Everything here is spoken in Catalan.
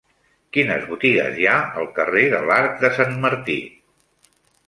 Quines botigues hi ha al carrer de l'Arc de Sant Martí?